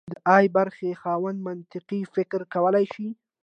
د ای برخې خاوند منطقي فکر کولی شي.